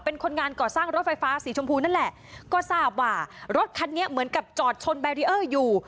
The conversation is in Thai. เป็นคนงานก่อสร้างรถไฟฟ้าสีชมพูนั่นแหละก็ทราบว่ารถคันนี้เหมือนกับจอดชนแบรีเออร์อยู่